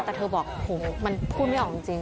แต่เธอบอกโหมันพูดไม่ออกจริง